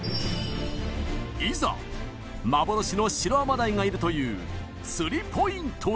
いざ幻のシロアマダイがいるという釣りポイントへ。